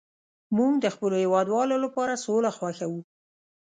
موږ د خپلو هیوادوالو لپاره سوله خوښوو